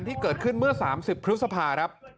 นั่นแหละครับ